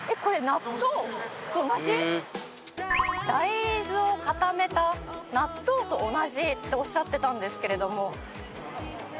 「大豆を固めた納豆と同じとおっしゃってたんですけれども」